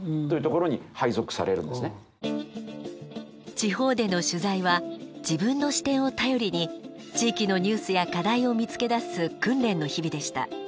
地方での取材は自分の視点を頼りに地域のニュースや課題を見つけ出す訓練の日々でした。